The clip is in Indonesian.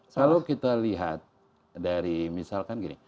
kalau kita lihat dari misalkan gini